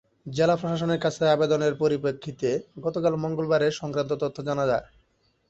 জেলা প্রশাসনের কাছে আবেদনের পরিপ্রেক্ষিতে গতকাল মঙ্গলবার এ-সংক্রান্ত তথ্য জানা যায়।